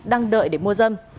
đang đợi để mua dâm